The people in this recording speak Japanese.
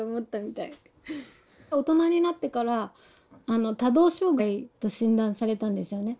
大人になってから多動障害と診断されたんですよね。